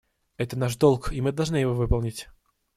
Это наш долг, и мы должны его выполнить.